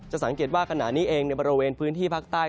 สังเกตว่าขณะนี้เองในบริเวณพื้นที่ภาคใต้